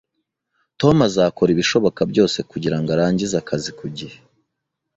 Tom azakora ibishoboka byose kugirango arangize akazi ku gihe